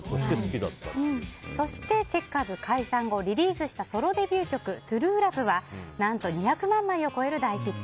そして、チェッカーズ解散後リリースしたソロデビュー曲「ＴＲＵＥＬＯＶＥ」は何と２００万枚を超える大ヒット。